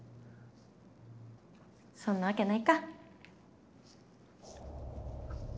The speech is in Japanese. そんなわけないか。